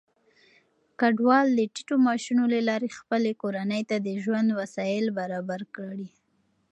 کډوال د ټيټو معاشونو له لارې خپلې کورنۍ ته د ژوند وسايل برابر کړي.